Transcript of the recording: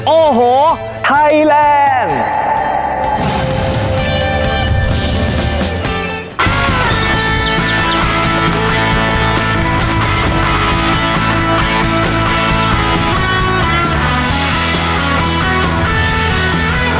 โอ้โหไทยแลนด์